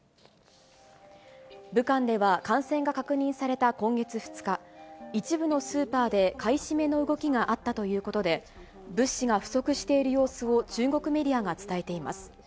武漢では感染が確認された今月２日、一部のスーパーで買い占めの動きがあったということで、物資が不足している様子を中国メディアが伝えています。